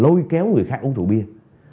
lôi kéo người khác uống rượu bia